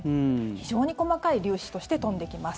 非常に細かい粒子として飛んできます。